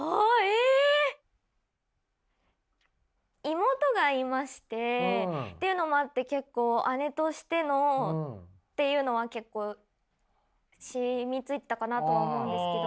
妹がいましてっていうのもあって結構姉としてのっていうのは結構染みついてたかなとは思うんですけど。